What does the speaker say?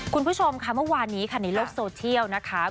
คุณผู้ชมค่ะเมื่อวานนี้ค่ะในโลกโซเชียลนะคะ